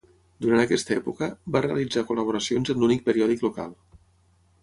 Durant aquesta època, va realitzar col·laboracions en l'únic periòdic local.